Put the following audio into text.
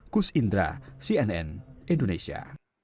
kus indra cnn indonesia